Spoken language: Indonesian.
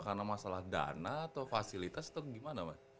karena masalah dana atau fasilitas atau gimana mas